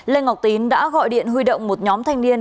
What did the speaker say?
lê ngọc tín đã gọi điện huy động một nhóm thanh niên